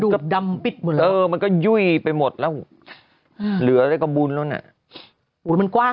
ก็ดูดำปิดเหมือนลา